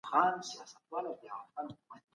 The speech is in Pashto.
د لویې جرګي د بریالیتوب راز څه دی؟